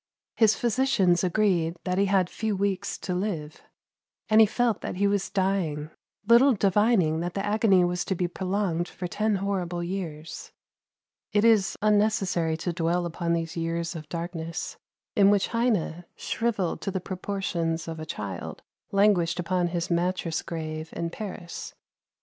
His physicians agreed that he had few weeks to live, and he felt that he was dying, little divining that the agony was to be prolonged for ten horrible years. It is unnecessary to dwell upon these years of darkness, in which Heine, shriveled to the proportions of a child, languished upon his "mattress grave" in Paris.